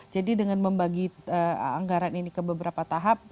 dengan membagi anggaran ini ke beberapa tahap